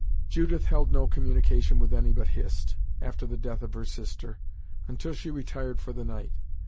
Judith held no communications with any but Hist, after the death of her sister, until she retired for the night.